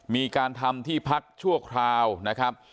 มีการทำที่พักชั่วคราวนะครับ